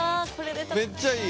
めっちゃいい！